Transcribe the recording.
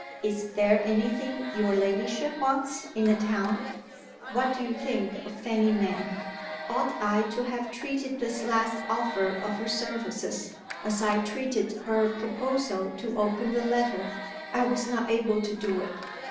"Is there anything your ladyship wants in the town?" What do you think of Fanny Mere? Ought I to have treated this last offer of her services, as I treated her proposal to open the letter? I was not able to do it.